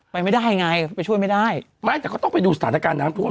ไปไม่ได้ไงไปช่วยไม่ได้ไม่แต่เขาต้องไปดูสถานการณ์น้ำท่วม